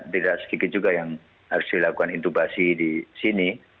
tidak sedikit juga yang harus dilakukan intubasi di sini